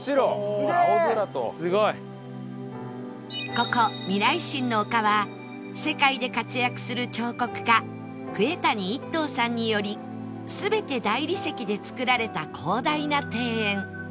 ここ未来心の丘は世界で活躍する彫刻家杭谷一東さんにより全て大理石で造られた広大な庭園